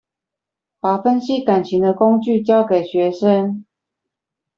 把分析感情的工具教給學生